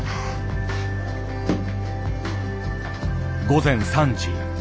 午前３時。